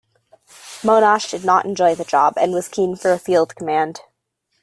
Monash did not enjoy the job, and was keen for a field command.